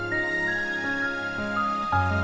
kadang kadang aku banget sengaja laurin